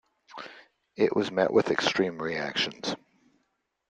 It was met with extreme reactions.